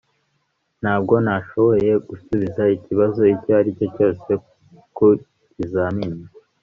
ntabwo nashoboye gusubiza ikibazo icyo ari cyo cyose ku kizamini